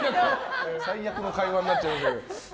最悪の会話になっちゃいましたけど。